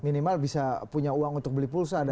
minimal bisa punya uang untuk beli pulsa